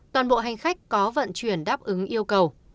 toàn bộ hành khách có vận chuyển đáp ứng yêu cầu